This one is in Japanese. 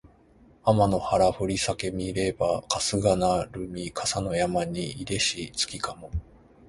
あまの原ふりさけ見ればかすがなるみ笠の山にいでし月かも